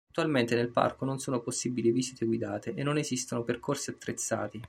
Attualmente nel parco non sono possibili visite guidate e non esistono percorsi attrezzati.